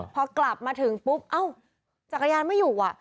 พอกลับมาถึงปุ๊บเอ้าจักรยานไม่อยู่อ่ะ